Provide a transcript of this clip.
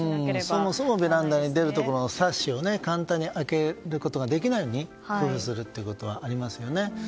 そもそもベランダに出るサッシを簡単に開けることができないように工夫するってことがありますよね。